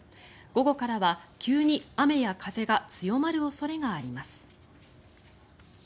午後からは急に雨や風が強まる恐れがあります。